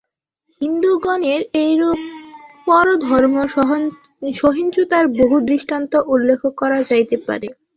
হিন্দুগণের এইরূপ পরধর্মসহিষ্ণুতার বহু দৃষ্টান্ত উল্লেখ করা যাইতে পারে।